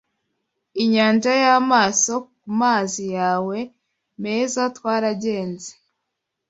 Inyanja y'amaso kumazi yawe meza twaragenze